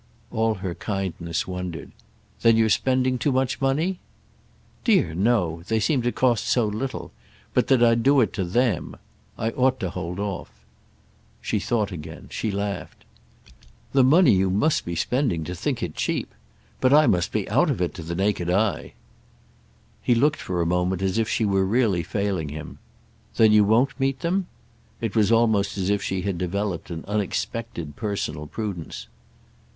All her kindness wondered. "That you're spending too much money?" "Dear no—they seem to cost so little. But that I do it to them. I ought to hold off." She thought again—she laughed. "The money you must be spending to think it cheap! But I must be out of it—to the naked eye." He looked for a moment as if she were really failing him. "Then you won't meet them?" It was almost as if she had developed an unexpected personal prudence.